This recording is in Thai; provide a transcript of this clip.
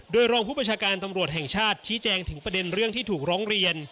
โดยรองผู้ประชาการตำรวจแห่งชาติชี้แจงถึงประเด็นเรื่องที่ถูกร้องเรียน